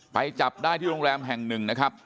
ไปจับได้ที่โรงแรมแห่งหนึ่งนะครับ